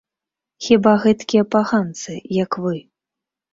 Хіба гэткія паганцы, як вы!